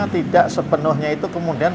tidak sepenuhnya itu kemudian